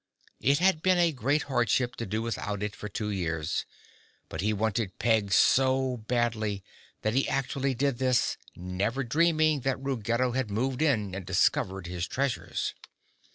It had been a great hardship to do without it for two years, but he wanted Peg so badly that he actually did this, never dreaming that Ruggedo had moved in and discovered his treasures.